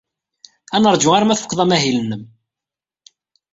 Ad neṛju arma tfuked amahil-nnem.